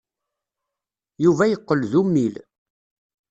Yuba yeqqel d ummil.